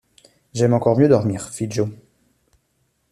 J’aime encore mieux dormir, fit Joe.